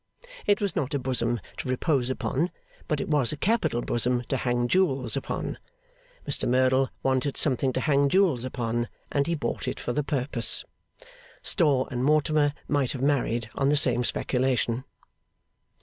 It was not a bosom to repose upon, but it was a capital bosom to hang jewels upon. Mr Merdle wanted something to hang jewels upon, and he bought it for the purpose. Storr and Mortimer might have married on the same speculation.